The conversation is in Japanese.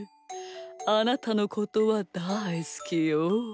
あなたのことはだいすきよ。